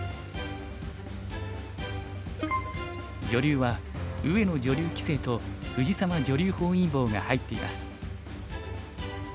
女流は上野女流棋聖と藤沢女流本因坊が入っています。